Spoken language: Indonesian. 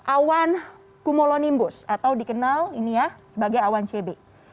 awan kumolonimbus atau dikenal ini ya sebagai awan cb